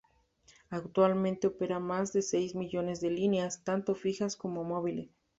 Actualmente opera más de seis millones de líneas, tanto fijas como móviles.